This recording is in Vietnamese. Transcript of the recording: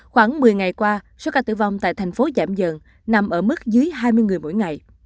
khoảng một mươi ngày qua số ca tử vong tại thành phố giảm dần nằm ở mức dưới hai mươi người mỗi ngày